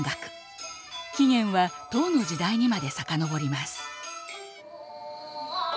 起源は唐の時代にまで遡ります。